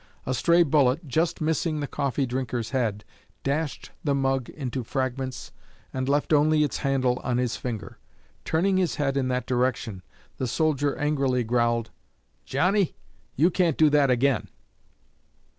A stray bullet, just missing the coffee drinker's head, dashed the mug into fragments and left only its handle on his finger. Turning his head in that direction, the soldier angrily growled, "Johnny, you can't do that again!"